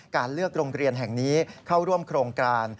การเลือกโรงเรียนแห่งนี้เข้าร่วมโครงการ